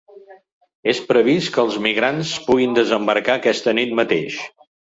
És previst que els migrants puguin desembarcar aquesta nit mateix.